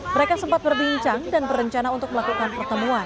mereka sempat berbincang dan berencana untuk melakukan pertemuan